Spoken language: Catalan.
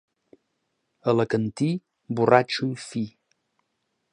Alacantí, borratxo i fi.